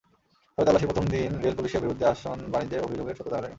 তবে তল্লাশির প্রথম দিন রেল পুলিশের বিরুদ্ধে আসন-বাণিজ্যের অভিযোগের সত্যতা মেলেনি।